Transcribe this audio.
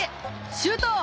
シュート！